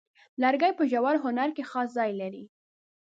لرګی په ژور هنر کې خاص ځای لري.